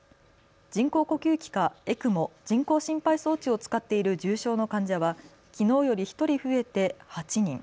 人工呼吸器かＥＣＭＯ・人工心肺装置を使っている重症の患者はきのうより１人増えて８人。